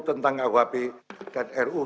tentang kuhp dan ruu